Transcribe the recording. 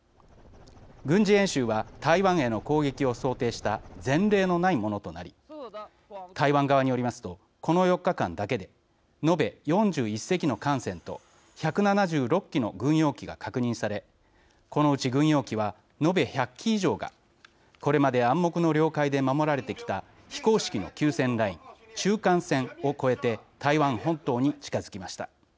軍事演習は台湾への攻撃を想定した前例のないものとなり台湾側によりますとこの４日間だけで延べ４１隻の艦船と１７６機の軍用機が確認されこのうち軍用機は延べ１００機以上がこれまで暗黙の了解で守られてきた非公式の休戦ライン中間線を越えて台湾本島に近づきました。